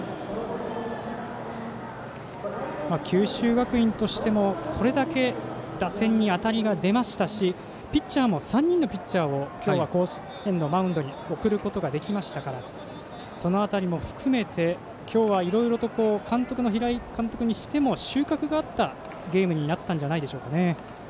九州学院としても、これだけ打線に当たりが出ましたしピッチャーも３人のピッチャーを今日は甲子園のマウンドに送ることができましたからその辺りも含めて今日は、いろいろと監督の平井監督にしても収穫があったゲームになったんじゃないでしょうかね。